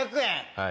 はい。